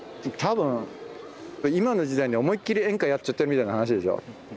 多分今の時代に思いっ切り演歌やっちゃったみたいな話でしょ？